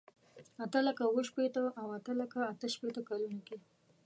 اته لکه اوه شپېته او اته لکه اته شپېته کلونو کې.